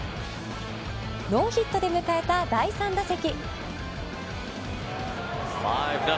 ノーヒットで迎えた第３打席。